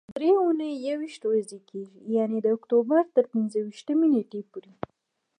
درې اونۍ یويشت ورځې کېږي، یعنې د اکتوبر تر پنځه ویشتمې نېټې پورې.